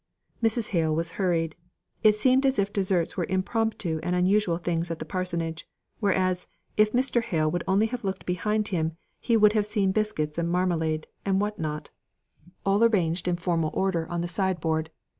Mrs. Hale was hurried. It seemed as if desserts were impromptu and unusual things at the parsonage; whereas, if Mr. Hale would only have looked behind him, he would have seen biscuits and marmalade, and what not, all arranged in formal order on the side board.